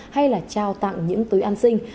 hay là trao tặng những túi ăn xinh